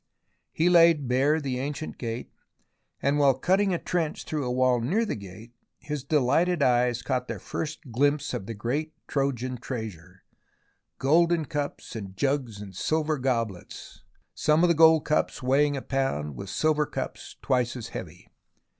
He laid bare the ancient gate, and while cutting a trench through a wall near the gate, his delighted eyes caught their first glimpse of the great Trojan treasure, golden cups and jugs and silver goblets, some of the gold cups weighing a pound, with silver cups twice as heavy.